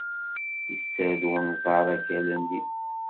Yessared unẓar akal-nni.